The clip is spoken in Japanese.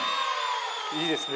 いいですね。